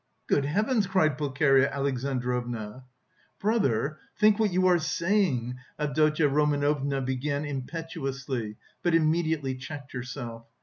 "Good Heavens!" cried Pulcheria Alexandrovna. "Brother, think what you are saying!" Avdotya Romanovna began impetuously, but immediately checked herself.